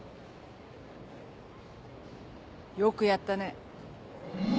よくやったね。